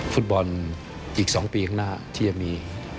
ฟุตบอลอีก๒ปีข้างหน้าที่จะมี